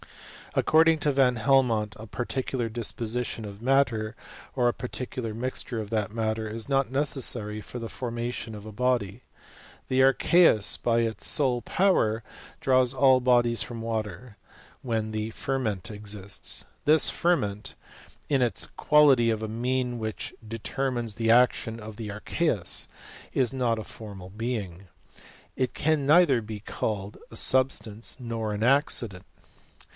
According to Van Helmont, a particular disposition of matter, or a particular mixture of that matter is not necessary for the formation of a body. The arcbeus, by its sole power, draws all bodies from water, when the ferment estists. This yermenf, in its quality of a mean which determines the action of the archeus, is not a formal being ; it can neither be called a mb stance, nor an accident.